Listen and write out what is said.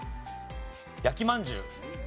焼きまんじゅう。